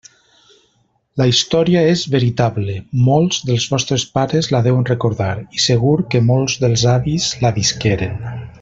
La història és veritable, molts dels vostres pares la deuen recordar i segur que molts dels avis la visqueren.